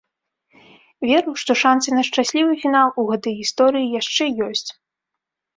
Веру, што шанцы на шчаслівы фінал у гэтай гісторыі яшчэ ёсць.